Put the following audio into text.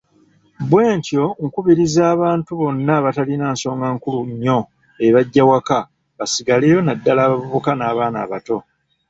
Bwentyo nkubiriza abantu bonna abatalina nsonga nkulu nnyo ebaggya waka, basigaleyo, naddala abavubuka n'abaana abato.